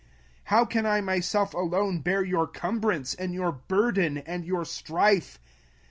05:001:012 How can I myself alone bear your cumbrance, and your burden, and your strife?